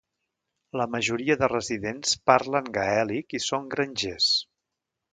La majoria de residents parlen gaèlic i són grangers.